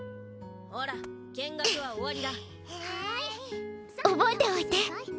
ほら見学は終わりだ（覚えておいて。